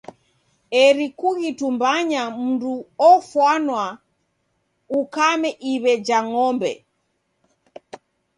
Eri kughitumbanya mndu ofwana ukame iw'e ja ng'ombe.